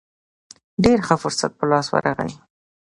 ډېر ښه فرصت په لاس ورغی.